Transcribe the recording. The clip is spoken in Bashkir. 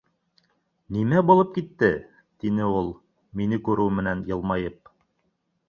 Нимә булып китте? — тине ул мине күреү менән йылмайып.